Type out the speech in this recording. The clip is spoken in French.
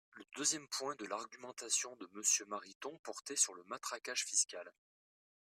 Le deuxième point de l’argumentation de Monsieur Mariton portait sur le matraquage fiscal.